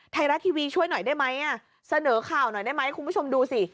ไทยรัฐทีวีช่วยหน่อยได้ไหมเสนอข่าวหน่อยได้ไหมคุณผู้ชมดูสิ